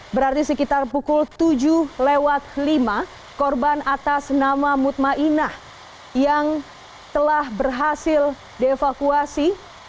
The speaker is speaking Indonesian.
berarti sekitar pukul tujuh lewat lima korban atas nama mutma'inah yang telah berhasil dievakuasi